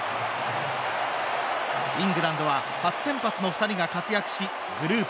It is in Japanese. イングランドは初先発の２人が活躍しグループ